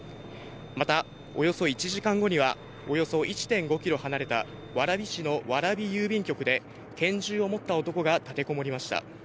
また、およそ１時間後には、およそ１．５キロ離れた蕨市の蕨郵便局で拳銃を持った男が立てこもりました。